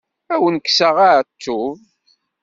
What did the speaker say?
Ad wen-kkseɣ aεettub.